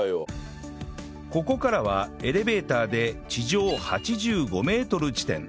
ここからはエレベーターで地上８５メートル地点